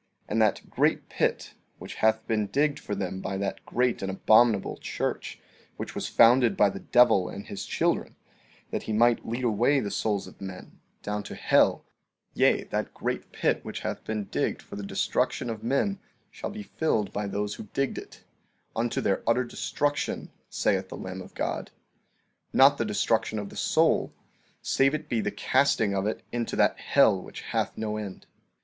14:3 And that great pit, which hath been digged for them by that great and abominable church, which was founded by the devil and his children, that he might lead away the souls of men down to hell—yea, that great pit which hath been digged for the destruction of men shall be filled by those who digged it, unto their utter destruction, saith the Lamb of God; not the destruction of the soul, save it be the casting of it into that hell which hath no end.